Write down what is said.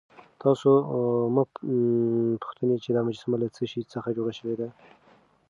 تاسو مه پوښتئ چې دا مجسمه له څه شي څخه جوړه ده.